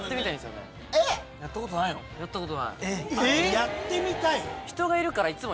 「やってみたい」